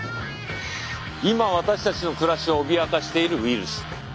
今私たちの暮らしを脅かしているウイルス。